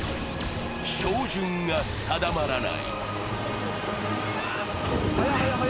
照準が定まらない。